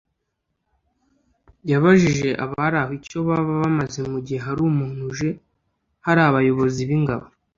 yabajije abari aho icyo baba bamaze mu gihe hari umuntu uje hari abayobozi b’ingabo